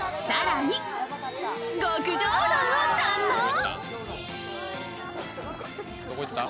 更に極上うどんを堪能。